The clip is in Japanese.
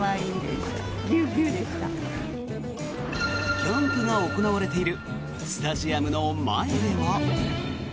キャンプが行われているスタジアムの前では。